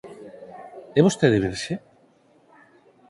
É vostede virxe?